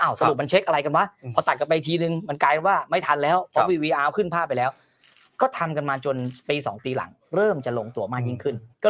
อ้าวสรุปมันเช็คอะไรกันวะพอตัดกันไปทีนึง